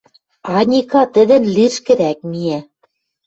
– Аника тӹдӹн лишкӹрӓк миӓ.